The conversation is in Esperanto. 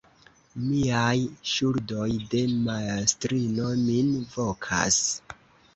Miaj ŝuldoj de mastrino min vokas.